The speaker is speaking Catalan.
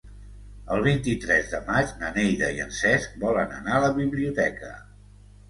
El vint-i-tres de maig na Neida i en Cesc volen anar a la biblioteca.